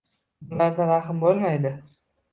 Bularda rahm bo‘lmaydi